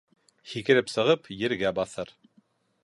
Һикереп сығып, ергә баҫыр.